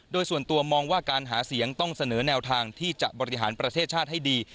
โดยส่วนตัวมองว่าการหาเสียงต้องเสนอแนวทางที่จะบริหารประเทศชาติให้ดี